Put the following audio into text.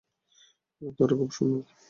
তারা খুব সুন্দর।